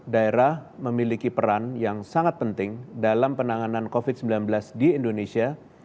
daerah memiliki peran yang sangat penting dalam penanganan covid sembilan belas di indonesia